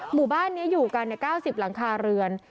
หมู่บ้านนี้อยู่กัน๙๐หลังคาเรือน